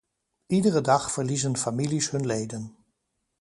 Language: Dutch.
Iedere dag verliezen families hun leden.